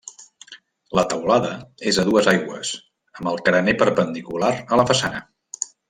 La teulada és a dues aigües amb el carener perpendicular a la façana.